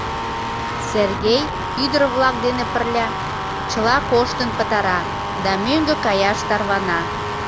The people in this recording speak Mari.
Сергей ӱдыр-влак дене пырля чыла коштын пытара да мӧҥгӧ каяш тарвана.